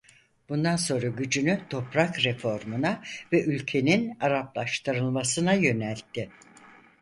Bundan sonra gücünü toprak reformuna ve ülkenin Araplaştırılmasına yöneltti.